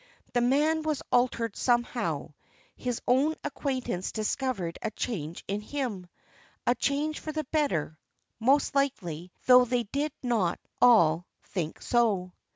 The man was altered somehow. His old acquaintance discovered a change in him: a change for the better, most likely, though they did not all think so.